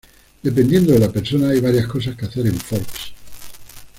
Dependiendo de la persona, hay varias cosas que hacer en Forks.